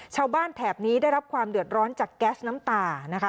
ชาวบ้านแถบนี้ได้รับความเดือดร้อนจากแก๊สน้ำตา